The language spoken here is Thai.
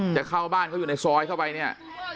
จะเข้าบ้านเขาอยู่ในซอยเข้าไปเนี่ย